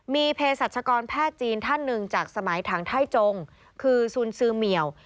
มีเพศสัชกรแพทย์จีนท่านหนึ่งจากสมัยถังไทยจงคือซูลซื้อเหมียว